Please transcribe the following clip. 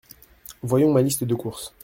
Voyons ma liste de courses…